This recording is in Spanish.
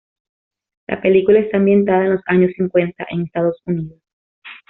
La película está ambientada en los años cincuenta, en Estados Unidos.